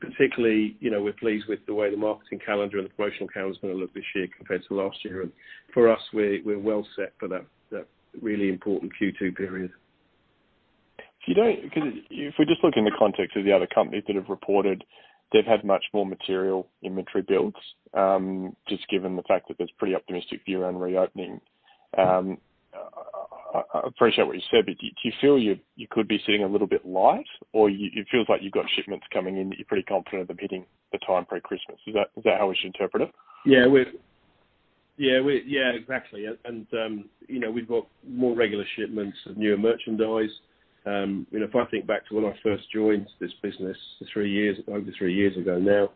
particularly, we're pleased with the way the marketing calendar and the promotional calendar is going to look this year compared to last year. For us, we're well set for that really important Q2 period. If we just look in the context of the other companies that have reported, they've had much more material inventory builds, just given the fact that there's a pretty optimistic view around reopening. I appreciate what you said, do you feel you could be sitting a little bit light? It feels like you've got shipments coming in that you're pretty confident of hitting the time pre-Christmas. Is that how we should interpret it? Yeah. Exactly. We've got more regular shipments of newer merchandise. If I think back to when I first joined this business over three years ago now,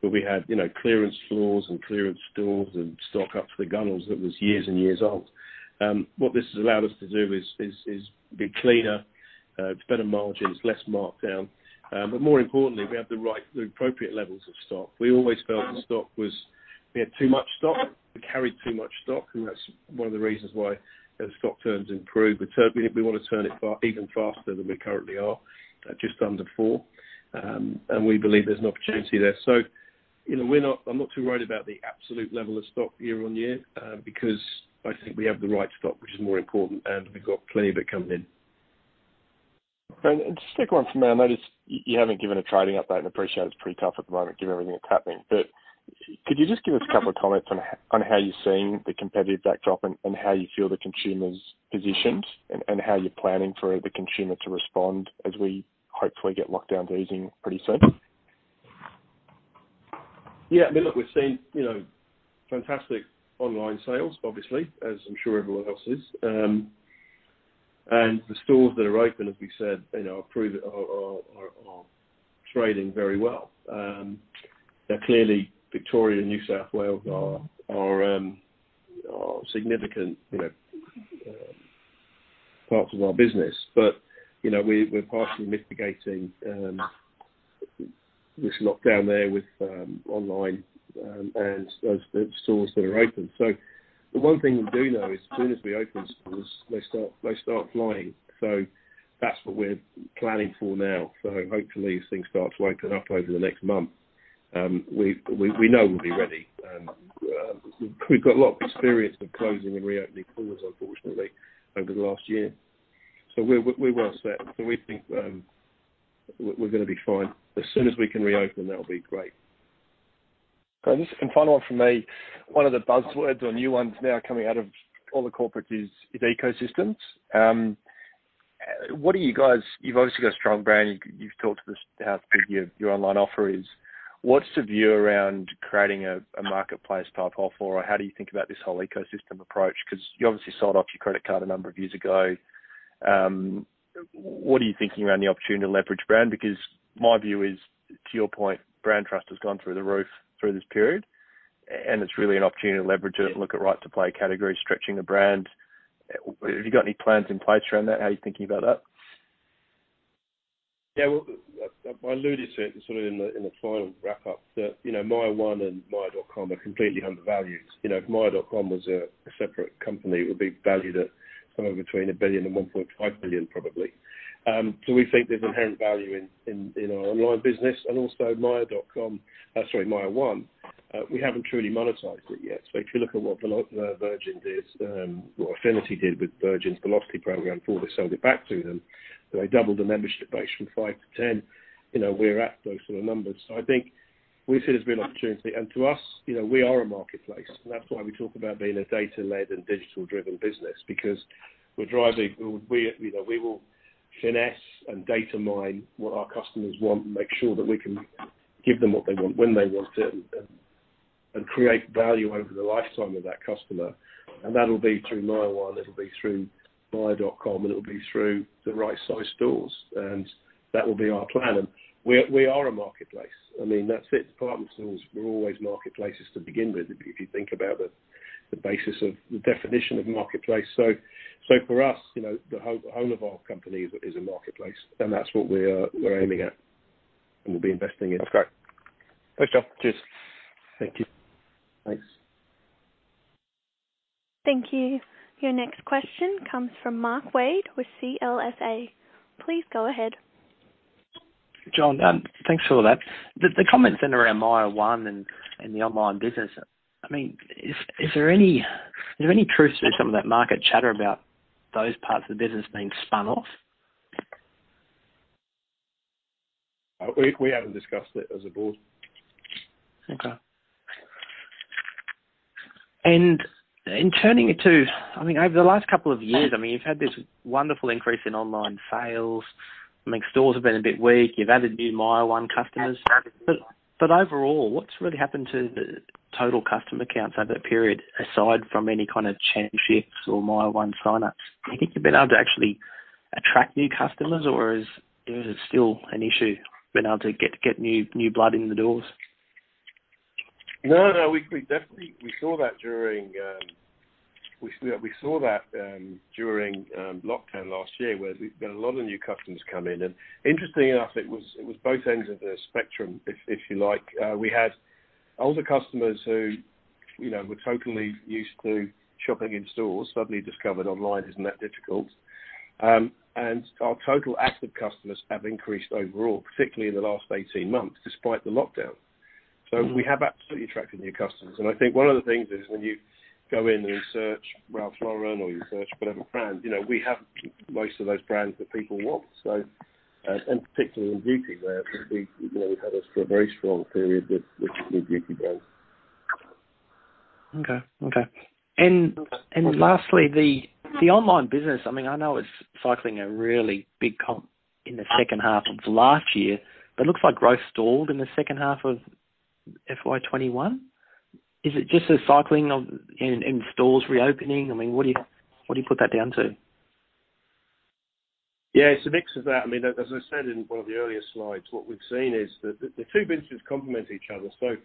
where we had clearance floors and clearance stores and stock up to the gunnels that was years and years old. What this has allowed us to do is be cleaner, better margins, less markdown. More importantly, we have the appropriate levels of stock. We always felt we had too much stock. We carried too much stock, and that's one of the reasons why the stock turns improved. We want to turn it even faster than we currently are, at just under four, and we believe there's an opportunity there. I'm not too worried about the absolute level of stock year on year, because I think we have the right stock, which is more important, and we've got plenty of it coming in. Just stick one for me. I notice you haven't given a trading update, and appreciate it's pretty tough at the moment, given everything that's happening. Could you just give us a couple of comments on how you're seeing the competitive backdrop and how you feel the consumer's positioned and how you're planning for the consumer to respond as we hopefully get lockdowns easing pretty soon? Yeah. Look, we've seen fantastic online sales, obviously, as I'm sure everyone else is. The stores that are open, as we said, are trading very well. Now clearly, Victoria and New South Wales are significant parts of our business. We're partially mitigating this lockdown there with online and those stores that are open. The one thing we do know is as soon as we open stores, they start flying. That's what we're planning for now. Hopefully, as things start to open up over the next month, we know we'll be ready. We've got a lot of experience with closing and reopening stores, unfortunately, over the last year. We're well set. We think we're going to be fine. As soon as we can reopen, that'll be great. Final one from me. One of the buzzwords or new ones now coming out of all the corporate is ecosystems. You've obviously got a strong brand. You've talked to us how big your online offer is. What's the view around creating a marketplace-type offer, or how do you think about this whole ecosystem approach? You obviously sold off your credit card a number of years ago. What are you thinking around the opportunity to leverage brand? My view is, to your point, brand trust has gone through the roof through this period, and it's really an opportunity to leverage it and look at right to play category, stretching the brand. Have you got any plans in place around that? How are you thinking about that? Well, I alluded to it sort of in the final wrap-up that MYER one and myer.com are completely undervalued. If myer.com was a separate company, it would be valued at somewhere between 1 billion and 1.5 billion, probably. We think there's inherent value in our online business and also myer.com, sorry, MYER one. We haven't truly monetized it yet. If you look at what Virgin did, what Affinity did with Virgin's Velocity program before they sold it back to them, they doubled the membership base from five to 10. We're at those sort of numbers. I think we see there's a real opportunity. To us, we are a marketplace. That's why we talk about being a data-led and digital-driven business because we will finesse and data mine what our customers want and make sure that we can give them what they want when they want it and create value over the lifetime of that customer. That'll be through MYER one, it'll be through myer.com, and it'll be through the right size stores. That will be our plan. We are a marketplace. That's it. Department stores were always marketplaces to begin with, if you think about the definition of marketplace. For us, the whole of our company is a marketplace, and that's what we're aiming at and we'll be investing in. That's great. Thanks, John. Cheers. Thank you. Thanks. Thank you. Your next question comes from Mark Wade with CLSA. Please go ahead. John, thanks for all that. The comments in around MYER one and the online business, is there any truth to some of that market chatter about those parts of the business being spun off? We haven't discussed it as a board. Okay. Turning it to, I think over the last couple of years, you've had this wonderful increase in online sales. Stores have been a bit weak. You've added new MYER one customers. Overall, what's really happened to the total customer counts over that period, aside from any kind of churn shifts or MYER one sign-ups? Do you think you've been able to actually attract new customers or is it still an issue being able to get new blood in the doors? No. We saw that during lockdown last year where we've got a lot of new customers come in. Interestingly enough, it was both ends of the spectrum, if you like. We had older customers who were totally used to shopping in stores, suddenly discovered online isn't that difficult. Our total active customers have increased overall, particularly in the last 18 months, despite the lockdown. We have absolutely attracted new customers. I think one of the things is when you go in and search Ralph Lauren or you search whatever brand, we have most of those brands that people want. Particularly in beauty wear, we've had a very strong period with new beauty brands. Okay. Lastly, the online business, I know it's cycling a really big comp in the second half of last year, but looks like growth stalled in the second half of FY 2021. Is it just a cycling and stores reopening? What do you put that down to? Yeah. It's a mix of that. As I said in one of the earlier slides, what we've seen is that the two businesses complement each other. As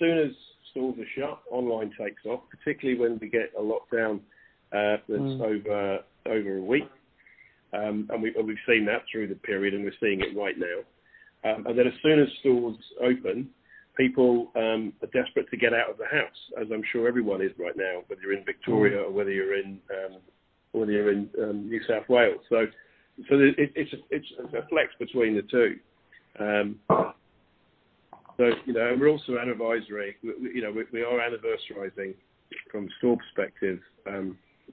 soon as stores are shut, online takes off, particularly when we get a lockdown that's over a week. We've seen that through the period, and we're seeing it right now. As soon as stores open, people are desperate to get out of the house, as I'm sure everyone is right now, whether you're in Victoria or whether you're in New South Wales. It reflects between the two. We are anniversarizing from store perspective,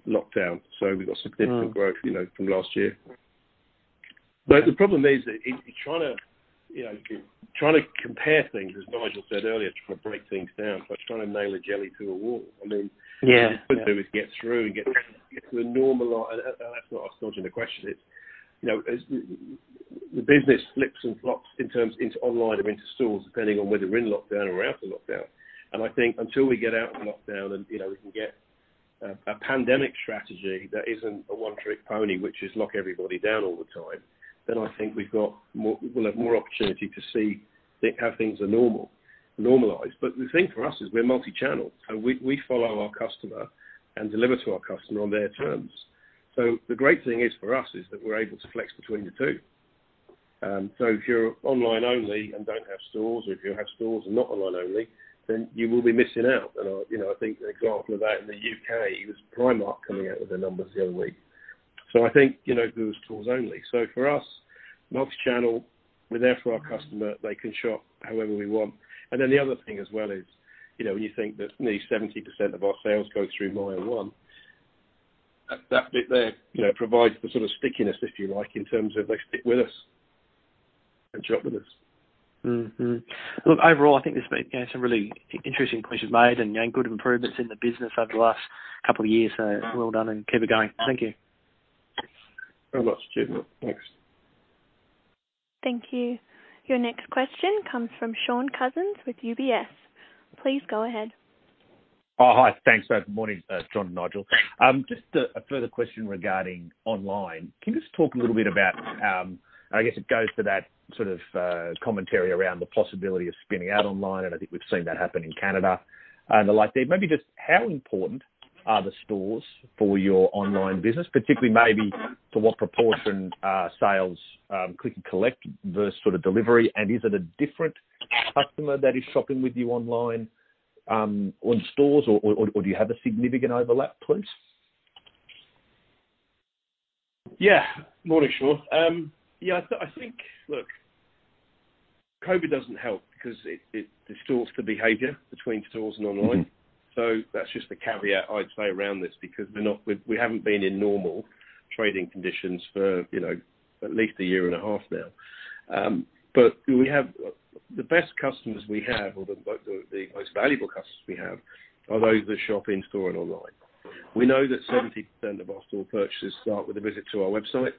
lockdown. We've got significant growth from last year. The problem is trying to compare things, as Nigel said earlier, trying to break things down. It's like trying to nail a jelly to a wall. Yeah. What you could do is get through. That's not answering the question. The business flips and flops in terms into online or into stores, depending on whether we're in lockdown or out of lockdown. I think until we get out of lockdown and we can get a pandemic strategy that isn't a one-trick pony, which is lock everybody down all the time, I think we'll have more opportunity to see how things are normalized. The thing for us is we're multi-channel. We follow our customer and deliver to our customer on their terms. The great thing is for us is that we're able to flex between the two. If you're online only and don't have stores, or if you have stores and not online only, you will be missing out. I think the example of that in the U.K. was Primark coming out with their numbers the other week. I think those stores only. For us, multi-channel, we're there for our customer. They can shop however we want. Then the other thing as well is when you think that nearly 70% of our sales go through MYER one, that bit there provides the sort of stickiness, if you like, in terms of they stick with us and shop with us. Overall, I think there's been some really interesting points you've made and good improvements in the business over the last couple of years. Well done and keep it going. Thank you. Thank you very much. Thank you. Your next question comes from Shaun Cousins with UBS. Please go ahead. Oh, hi. Thanks. Good morning, John and Nigel. Just a further question regarding online. Can you just talk a little bit about, I guess it goes to that sort of commentary around the possibility of spinning out online, and I think we've seen that happen in Canada and the like. Maybe just how important are the stores for your online business, particularly maybe to what proportion sales click and collect versus delivery? Is it a different customer that is shopping with you online on stores or do you have a significant overlap, please? Morning, Shaun. I think, look, COVID doesn't help because it distorts the behavior between stores and online. That's just the caveat I'd say around this, because we haven't been in normal trading conditions for at least 1.5 years now. The best customers we have or the most valuable customers we have are those that shop in-store and online. We know that 70% of our store purchases start with a visit to our website.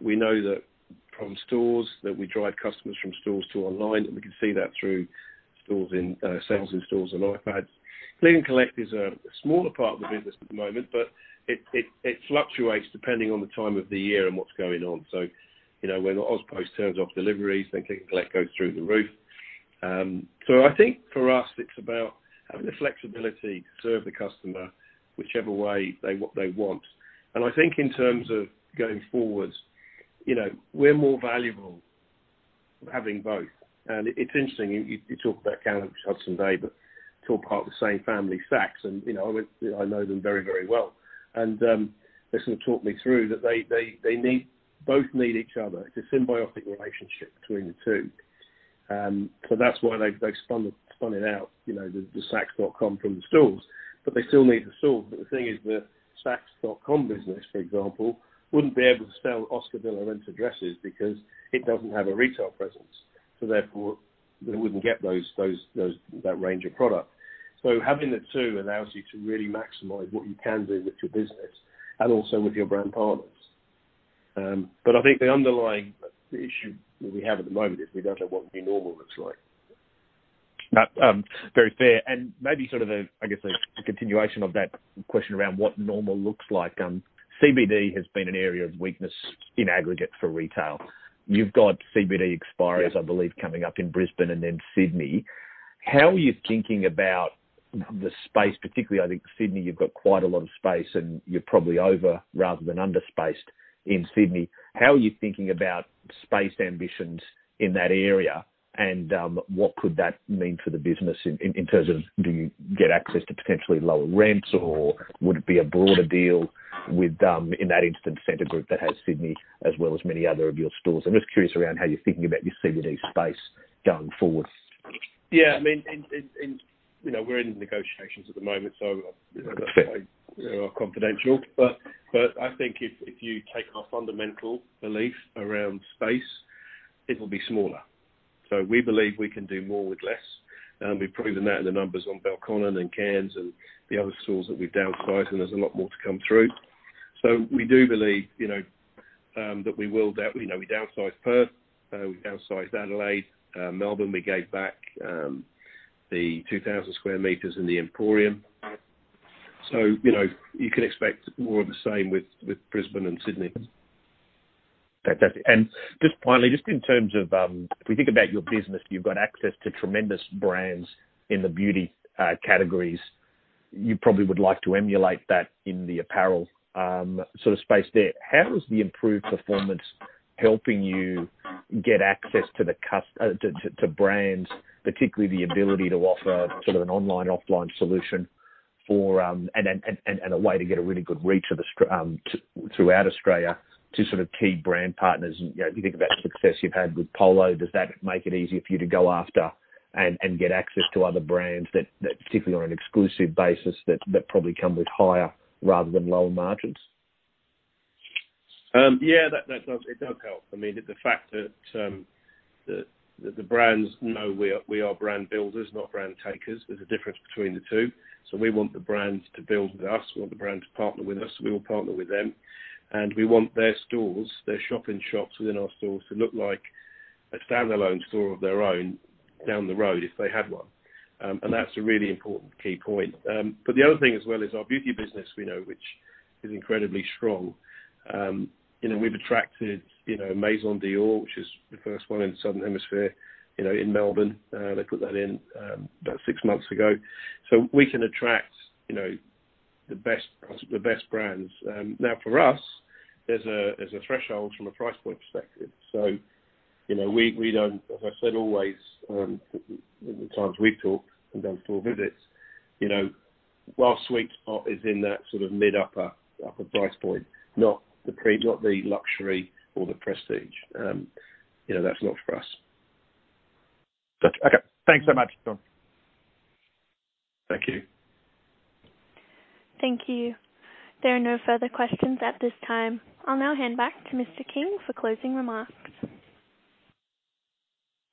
We know that from stores that we drive customers from stores to online, and we can see that through sales in stores and iPads. Click and collect is a smaller part of the business at the moment, but it fluctuates depending on the time of the year and what's going on. When the AusPost turns off deliveries, then click and collect goes through the roof. I think for us it's about having the flexibility to serve the customer whichever way they want. I think in terms of going forwards, we're more valuable having both. It's interesting you talk about Canada, Hudson's Bay, but it's all part of the same family, Saks, and I know them very, very well. They sort of talked me through that they both need each other. It's a symbiotic relationship between the two. That's why they've spun it out, the saks.com from the stores, but they still need the stores. The thing is, the saks.com business, for example, wouldn't be able to sell Oscar de la Renta dresses because it doesn't have a retail presence, so therefore they wouldn't get that range of product. Having the two allows you to really maximize what you can do with your business and also with your brand partners. I think the underlying issue that we have at the moment is we don't know what the new normal looks like. Very fair. Maybe sort of, I guess, a continuation of that question around what normal looks like. CBD has been an area of weakness in aggregate for retail. You've got CBD expiries, I believe, coming up in Brisbane and then Sydney. How are you thinking about the space, particularly, I think Sydney, you've got quite a lot of space and you're probably over rather than under-spaced in Sydney. How are you thinking about space ambitions in that area, and what could that mean for the business in terms of do you get access to potentially lower rents, or would it be a broader deal with, in that instance, Scentre Group that has Sydney as well as many other of your stores? I'm just curious around how you're thinking about your CBD space going forward. Yeah. We are in negotiations at the moment, so they are confidential. I think if you take our fundamental belief around space, it will be smaller. We believe we can do more with less. We have proven that in the numbers on Belconnen and Cairns and the other stores that we have downsized, and there is a lot more to come through. We do believe that we downsized Perth, we downsized Adelaide. Melbourne, we gave back the 2,000 sqm in The Emporium. You can expect more of the same with Brisbane and Sydney. Fantastic. Just finally, just in terms of if we think about your business, you've got access to tremendous brands in the beauty categories. You probably would like to emulate that in the apparel space there. How is the improved performance helping you get access to brands, particularly the ability to offer an online, offline solution for and a way to get a really good reach throughout Australia to key brand partners? You think about the success you've had with Polo. Does that make it easier for you to go after and get access to other brands that, particularly on an exclusive basis, that probably come with higher rather than lower margins? Yeah, it does help. The fact that the brands know we are brand builders, not brand takers. There's a difference between the two. We want the brands to build with us. We want the brands to partner with us. We will partner with them. We want their stores, their shop in shops within our stores to look like a standalone store of their own down the road if they had one. That's a really important key point. The other thing as well is our beauty business, which is incredibly strong. We've attracted Maison Dior, which is the first one in the Southern Hemisphere in Melbourne. They put that in about six months ago. We can attract the best brands. Now for us, there's a threshold from a price point perspective. We don't, as I said, always, in the times we've talked and done store visits. Our sweet spot is in that mid upper price point, not the luxury or the prestige. That's not for us. Got you. Okay. Thanks so much, John. Thank you. Thank you. There are no further questions at this time. I'll now hand back to Mr. King for closing remarks.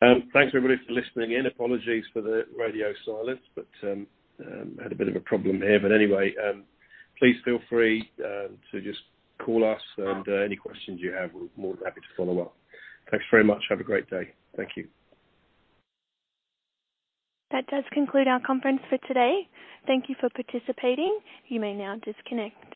Thanks everybody for listening in. Apologies for the radio silence, had a bit of a problem here. Anyway, please feel free to just call us and any questions you have, we're more than happy to follow up. Thanks very much. Have a great day. Thank you. That does conclude our conference for today. Thank you for participating. You may now disconnect.